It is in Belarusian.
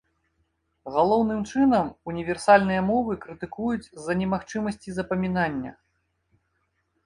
Галоўным чынам, універсальныя мовы крытыкуюць з-за немагчымасці запамінання.